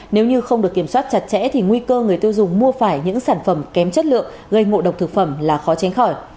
nếu như không được kiểm soát chặt chẽ thì nguy cơ người tiêu dùng mua phải những sản phẩm kém chất lượng gây ngộ độc thực phẩm là khó tránh khỏi